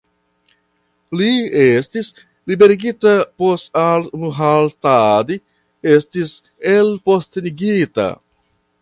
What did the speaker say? Li estis liberigita post al-Muhtadi estis elpostenigita.